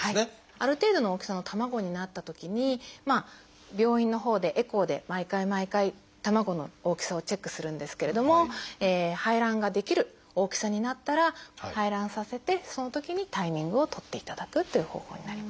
ある程度の大きさの卵になったときに病院のほうでエコーで毎回毎回卵の大きさをチェックするんですけれども排卵ができる大きさになったら排卵させてそのときにタイミングを取っていただくという方法になります。